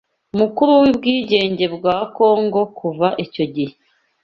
mukuru w’ubwigenge bwa Congo kuva icyo gihe